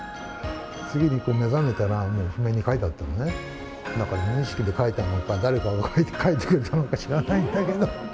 次に目覚めたら、譜面に書いてあったのね、だから無意識で書いたのか、誰かが書いてくれたのか知らないんだけど。